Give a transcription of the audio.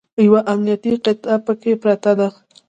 یوه امنیتي قطعه پکې پرته ده.